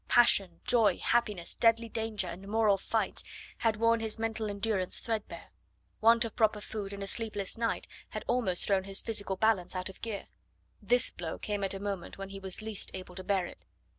Passion, joy, happiness, deadly danger, and moral fights had worn his mental endurance threadbare; want of proper food and a sleepless night had almost thrown his physical balance out of gear. This blow came at a moment when he was least able to bear it.